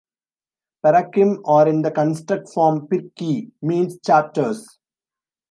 "Perakim", or in the construct form "pirkei", means "chapters.